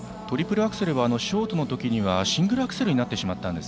トリプルアクセルはショートのときにはシングルアクセルになってしまいました。